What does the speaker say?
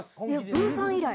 ブーさん以来。